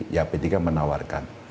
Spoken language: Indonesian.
ya p tiga menawarkan